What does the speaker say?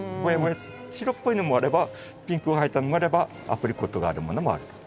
白っぽいのもあればピンクが入ったのもあればアプリコットがあるものもあると。